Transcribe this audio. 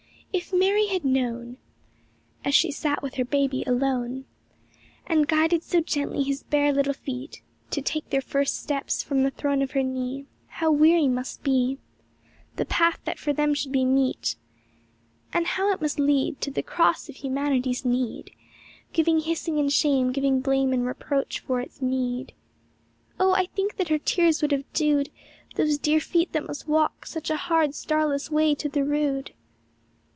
113 If Mary had known As she sat with her baby alone, And guided so gently his bare little feet To take their first steps from the throne of her knee, How weary must be The path that for them should be meet ; And how it must lead To the cross of humanity's need. Giving hissing and shame, giving blame and reproach for its meed. Oh, I think that her tears would have dewed Those dear feet that must walk such a hard, starless way to the Rood!